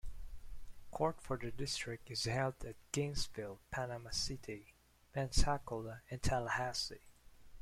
Court for the District is held at Gainesville, Panama City, Pensacola, and Tallahassee.